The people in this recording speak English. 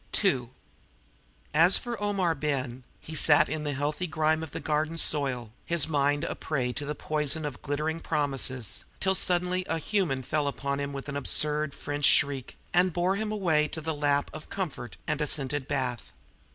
II As for Omar Ben, he sat in the healthy grime of the garden soil, his mind a prey to the poison of glittering promises, till suddenly a human fell upon him with an absurd French shriek and bore him away to the lap of comfort and a scented bath.